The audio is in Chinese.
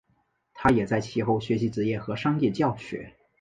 他也在其后学习职业和商业教学。